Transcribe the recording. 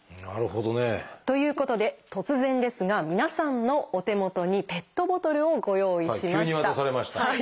なるほどね。ということで突然ですが皆さんのお手元にペットボトルをご用意しました。